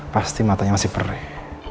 pasti matanya masih perih